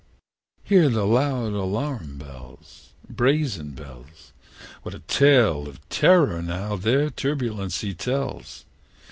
III. Hear the loud alarum bells Brazen bells! What a tale of terror now their turbulency tells!